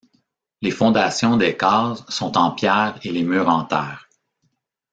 Les fondations des cases sont en pierres et les murs en terre.